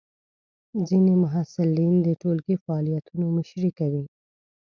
ځینې محصلین د ټولګی فعالیتونو مشري کوي.